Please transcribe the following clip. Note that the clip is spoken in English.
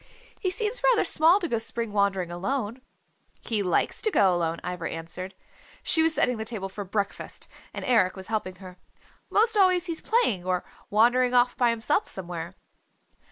He seems rather small to go spring wandering alone." "He likes to go alone," Ivra answered. She was setting the table for breakfast, and Eric was helping her. "'Most always he's playing or wandering off by himself somewhere."